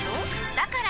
だから！